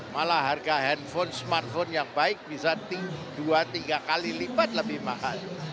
malah harga handphone smartphone yang baik bisa dua tiga kali lipat lebih mahal